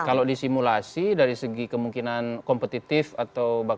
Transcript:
dan kalau disimulasi dari segi kemungkinan kompetitif atau berpengaruh